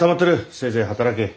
せいぜい働け。